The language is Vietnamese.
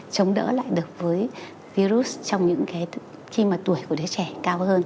chống đỡ lại được với virus trong những khi tuổi của đứa trẻ cao hơn